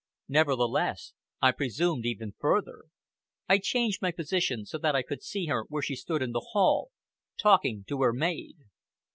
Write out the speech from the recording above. Nevertheless, I presumed even further. I changed my position, so that I could see her where she stood in the hall, talking to her maid.